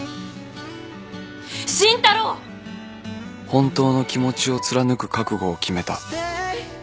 本当の気持ちを貫く覚悟を決めた